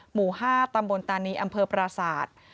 หมู่๕ตำบลตานีอำเภอปราศาสตร์